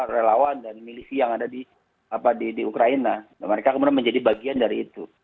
relawan dan milisi yang ada di ukraina mereka kemudian menjadi bagian dari itu